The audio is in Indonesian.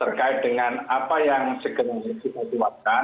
terkait dengan apa yang segera kita tuapkan